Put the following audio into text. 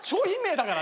だから。